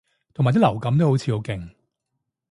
同埋啲流感都好似好勁